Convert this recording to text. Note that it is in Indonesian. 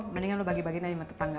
mendingan lu bagi bagiin aja sama tetangga